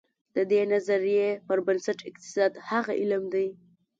د دې نظریې پر بنسټ اقتصاد هغه علم دی.